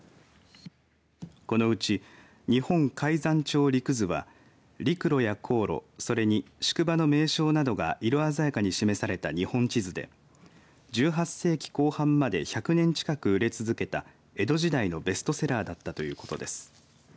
このうち日本海山潮陸図は陸路や航路、それに宿場の名勝などが色鮮やかに示された日本地図で１８世紀後半まで１００年近く売れ続けた江戸時代のベストセラーだったということです。